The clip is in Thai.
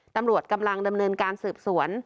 ตำรวจกำลังดำเนินการสืบสวน